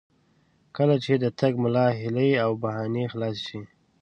کله چې د ټګ ملا هیلې او بهانې خلاصې شي.